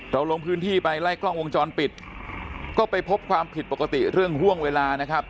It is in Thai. ลงพื้นที่ไปไล่กล้องวงจรปิดก็ไปพบความผิดปกติเรื่องห่วงเวลานะครับ